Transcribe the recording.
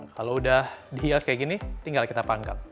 kalau udah dihias kayak gini tinggal kita panggang